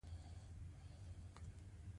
محراب د عبادت ځای دی